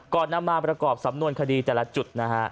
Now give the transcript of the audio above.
ก่อนนำมาประกอบสำนวนคดีแต่ละจุด